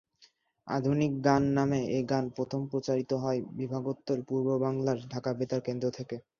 আধুনিক গান নামে এ গান প্রথম প্রচারিত হয় বিভাগোত্তর পূর্ববাংলার ঢাকা বেতার কেন্দ্র থেকে।